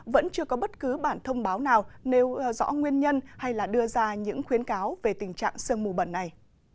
vẫn chưa có bất cứ bản thông báo nào nêu rõ nguyên nhân hay đưa ra những khuyến cáo về tình trạng sương mù bẩn này